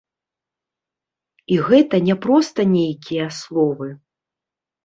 І гэта не проста нейкія словы.